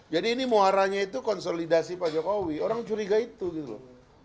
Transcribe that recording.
jadi ini muaranya itu konsolidasi pak jokowi orang curiga itu gitu loh